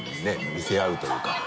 見せ合うというか。